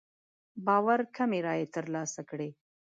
باور کمې رايې تر لاسه کړې.